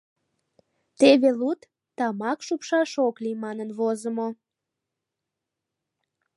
Теве луд: «Тамак шупшаш ок лий» манын возымо.